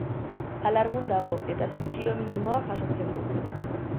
Alargun dago, eta pentsio minimoa jasotzen du.